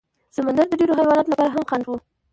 سمندر د ډېرو حیواناتو لپاره هم خنډ و.